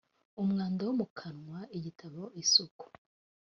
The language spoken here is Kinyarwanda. umwanda wo mu kanwa igitabo isuku